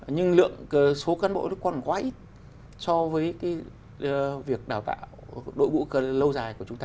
nhưng lượng số cán bộ nó còn quá ít so với việc đào tạo đội vũ cơ lâu dài của chúng ta